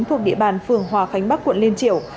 thuộc địa bàn phường hòa khánh bắc quận liên triều